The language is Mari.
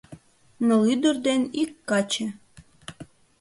Ныл ӱдыр ден ик каче.